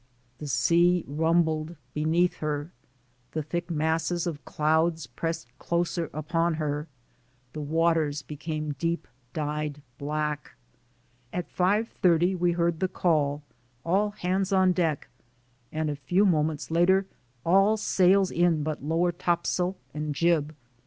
The sea rumbled beneath her, the thick masses of clouds pressed closer upon her, the waters became deep dyed black. At five thirty we heard the call: "All hands on deck," and a few moments later: "All sails in but lower topsail and jib."